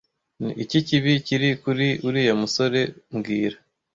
Ni iki kibi kiri kuri uriya umusore mbwira